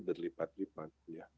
pertumbuhan ekonomi berlipat lipat